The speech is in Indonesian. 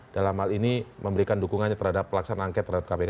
dalam hal ini memberikan dukungannya terhadap pelaksanaan angket terhadap kpk